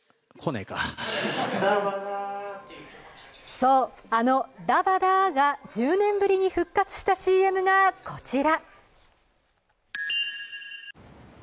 そう、あの「ダバダ」が１０年ぶりに復活した ＣＭ がこちら。